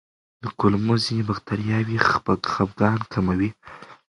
د کولمو ځینې بکتریاوې خپګان کموي.